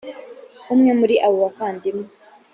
umwe muri abo bavandimwe